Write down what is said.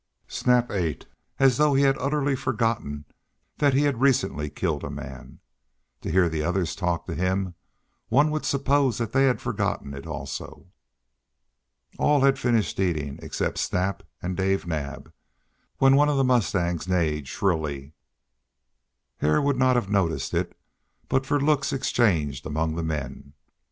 Snap ate as though he had utterly forgotten that he had recently killed a man; to hear the others talk to him one would suppose that they had forgotten it also. All had finished eating, except Snap and Dave Naab, when one of the mustangs neighed shrilly. Hare would not have noticed it but for looks exchanged among the men.